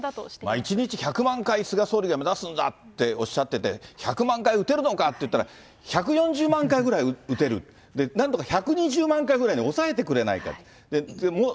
１日１００万回、菅総理が目指すんだっておっしゃってて、１００万回打てるのかっていったら、１４０万回ぐらい打てる、なんとか１２０万回ぐらいに抑えてくれないか。